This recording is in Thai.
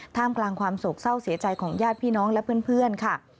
ท่ามกลางความโศกเศร้าเสียใจของญาติพี่น้องและเพื่อนค่ะ